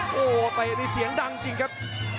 โหเตะในเสียงดั่งจริงครับ